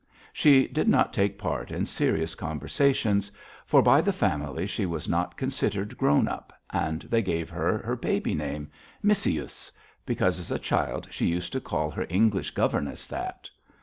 She did not take part in serious conversations, for by the family she was not considered grown up, and they gave her her baby name, Missyuss, because as a child she used to call her English governess that.